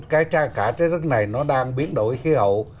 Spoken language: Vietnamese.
cả thế giới này nó đang biến đổi khí hậu